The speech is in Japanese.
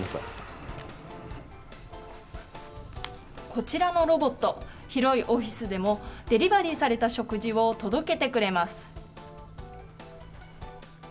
こちらのロボット、広いオフィスでも、デリバリーされた食事を届けてくれます。